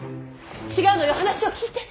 違うのよ話を聞いて！